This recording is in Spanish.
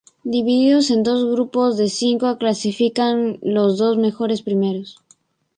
Divididos en dos grupos de cinco, clasifican los dos mejores primeros.